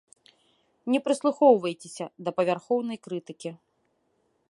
Не прыслухоўвайцеся да павярхоўнай крытыкі.